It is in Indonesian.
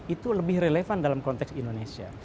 itu lebih relevan dalam konteks indonesia